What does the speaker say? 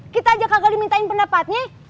kita aja kagak dimintain pendapatnya